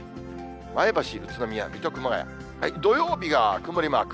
前橋、宇都宮、水戸、熊谷、土曜日が曇りマーク。